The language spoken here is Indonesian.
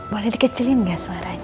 boleh dikecilin nggak suaranya